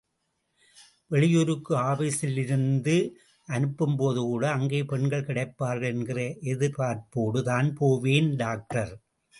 வெளியூருக்கு ஆபீஸ்ல இருந்து அனுப்பும்போதுகூட, அங்கே பெண்கள் கிடைப்பார்கள் என்கிற எதிர்பார்ப்போடு தான் போவேன் டாக்டர்.